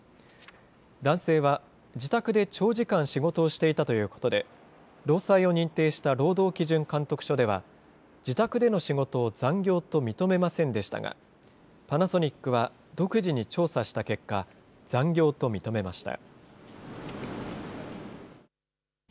男性は、自宅で長時間仕事をしていたということで、労災を認定した労働基準監督署では、自宅での仕事を残業と認めませんでしたが、パナソニックは独自に調査した結果、残業と認めました。